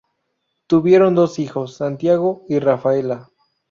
Tuvieron dos hijos Santiago y Rafaela.